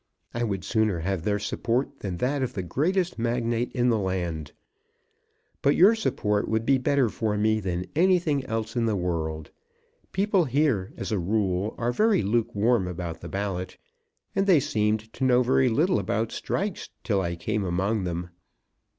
I would sooner have their support than that of the greatest magnate in the land. But your support would be better for me than anything else in the world. People here, as a rule, are very lukewarm about the ballot, and they seemed to know very little about strikes till I came among them.